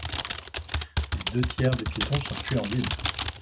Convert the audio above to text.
Les deux tiers des piétons sont tués en ville.